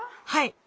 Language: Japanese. はい。